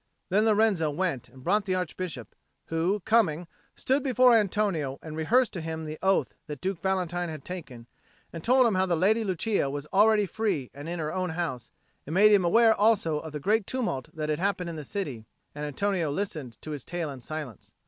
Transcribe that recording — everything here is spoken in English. Then Lorenzo went and brought the Archbishop, who, coming, stood before Antonio, and rehearsed to him the oath that Duke Valentine had taken, and told him how the Lady Lucia was already free and in her own house, and made him aware also of the great tumult that had happened in the city. And Antonio listened to his tale in silence.